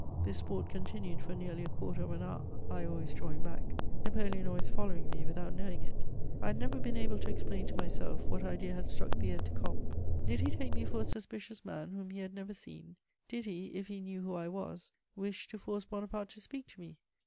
This sport continued for nearly a quarter of an hour, I always drawing back, Napoleon always following me without knowing it. I have never been able to explain to myself what idea had struck the aide de camp. Did he take me for a suspicious man whom he had never seen? Did he, if he knew who I was, wish to force Bonaparte to speak to me?